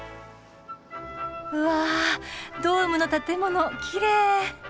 うわドームの建物きれい！